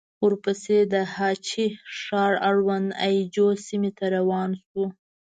ورپسې د هه چه ښار اړوند اي جو سيمې ته روان شوو.